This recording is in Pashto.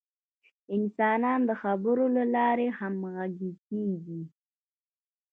انسانان د خبرو له لارې همغږي کېږي.